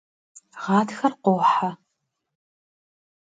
Ğatxer khohe.